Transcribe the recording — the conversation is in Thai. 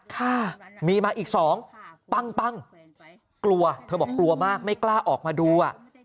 ค่ะมีมาอีกสองปั้งปั้งกลัวเธอบอกกลัวมากไม่กล้าออกมาดูอ่ะ